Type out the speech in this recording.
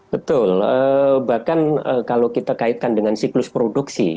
betul bahkan kalau kita kaitkan dengan siklus produksi